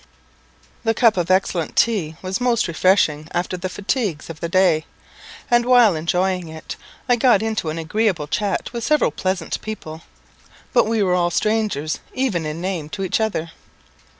The cup of excellent tea was most refreshing after the fatigues of the day; and, while enjoying it, I got into an agreeable chat with several pleasant people, but we were all strangers even in name to each other.